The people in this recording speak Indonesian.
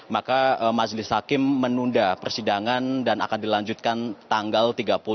maka majelis hakim menunda persidangan dan akan dilanjutkan tanggal